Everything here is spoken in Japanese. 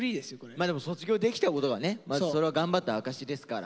まあでも卒業できたことがねまたそれは頑張った証しですから。